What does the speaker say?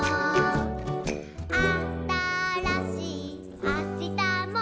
「あたらしいあしたも」